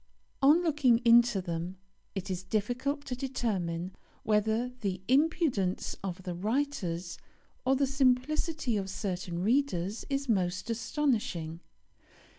On looking into them it is difficult to determine whether the impudence of the writers or the simplicity of certain readers is most astonishing.